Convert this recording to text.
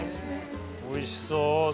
おいしそう。